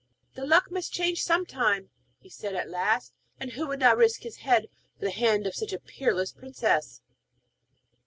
'The luck must change some time,' he said, at last; 'and who would not risk his head for the hand of such a peerless princess?'